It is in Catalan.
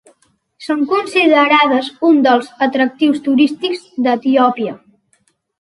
Són considerades un dels atractius turístics d’Etiòpia.